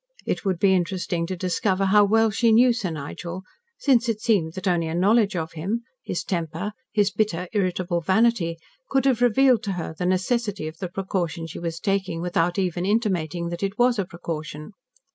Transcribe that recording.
It would be interesting to discover how well she knew Sir Nigel, since it seemed that only a knowledge of him his temper, his bitter, irritable vanity, could have revealed to her the necessity of the precaution she was taking without even intimating that it was a precaution.